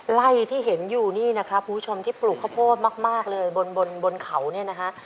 ไล่ที่เห็นอยู่นี่นะครับคุณผู้ชมที่ปลูกข้าวโพดมากเลยบนบนเขาเนี่ยนะฮะ